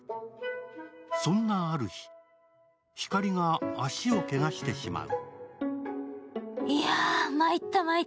そんなある日、ひかりが足をけがしてしまう。